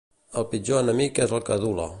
El pitjor enemic és el que adula.